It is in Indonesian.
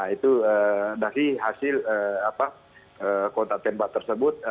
itu dari hasil kontak tembak tersebut